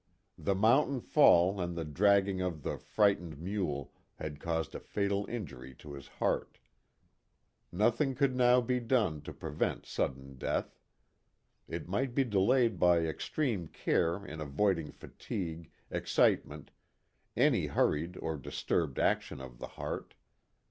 The mountain fall and the dragging of the frightened mule had caused a fatal injury to the heart. Nothing KIT CARSON. 47 could now be done to prevent sudden death. It might be delayed by extreme care in avoid ing fatigue, excitement, any hurried or disturbed action of the heart.